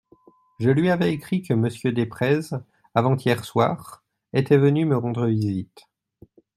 Je lui avais écrit que Monsieur Desprez, avant-hier soir, était venu me rendre visite.